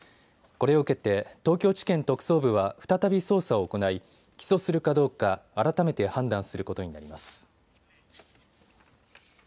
これを受けて東京地検特捜部は再び捜査を行い起訴するかどうか改めて判断することになります。